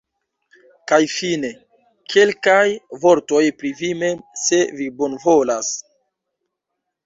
Kaj fine, kelkaj vortoj pri vi mem, se vi bonvolas?